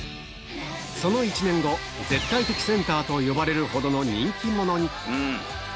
その１年後、絶対的センターと呼ばれるほどの人気者に。